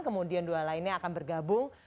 kemudian dua lainnya akan bergabung